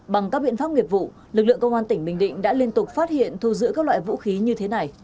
bằng các biện pháp nghiệp vụ lực lượng công an tỉnh bình định đã liên tục phát hiện thu giữ các loại vũ khí như thế này